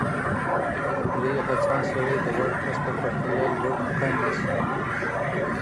ولي هڅاند سړی د وړ کس په پرتله لوړ مقام نیسي؟